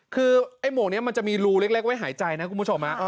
คือไอ้หมวกนี้มันจะมีรูเล็กไว้หายใจนะคุณผู้ชม